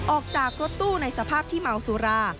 ออกจากรถตู้ในสภาพที่เมาสุรา